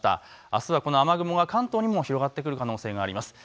あすは雨雲が関東にも広がってくる可能性があります。